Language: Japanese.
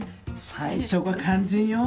最初が肝心よ。